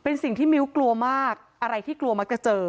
เป็นสิ่งที่มิ้วกลัวมากอะไรที่กลัวมักจะเจอ